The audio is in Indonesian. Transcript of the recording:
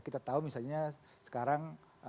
kita tahu misalnya sekarang